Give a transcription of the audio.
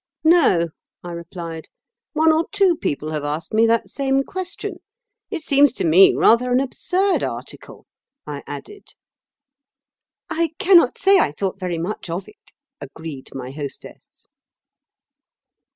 'No,' I replied; 'one or two people have asked me that same question. It seems to me rather an absurd article,' I added. 'I cannot say I thought very much of it,' agreed my hostess."